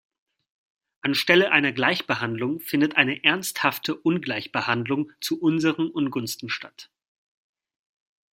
Anstelle einer Gleichbehandlung findet eine ernsthafte Ungleichbehandlung zu unseren Ungunsten statt.